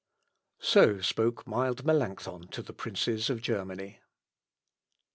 " So spoke mild Melancthon to the princes of Germany.